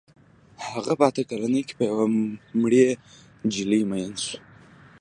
هغه په اته کلنۍ کې په یوې مړې نجلۍ مین شو